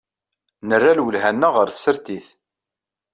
Nerra lwelha-nneɣ ɣer tsertit.